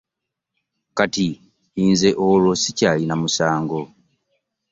Kati nze olwo ssikyalina mugaso?